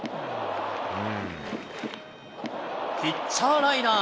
ピッチャーライナー。